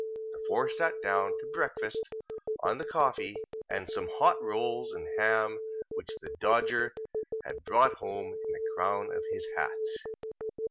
The four sat down, to breakfast, on the coffee, and some hot rolls and ham which the Dodger had brought home in the crown of his hat.